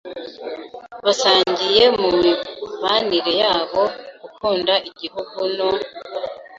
basangiye mu mibanire yabo, gukunda Igihugu no